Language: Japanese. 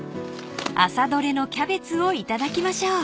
［朝採れのキャベツを頂きましょう］